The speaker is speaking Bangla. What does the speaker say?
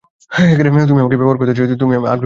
তুমি আমাকে ব্যবহার করতেছো তুমি আগ্রহী নও তো আগে বলবে না?